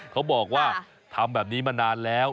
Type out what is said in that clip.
เขาบอกว่าทำแบบนี้มานานแล้ว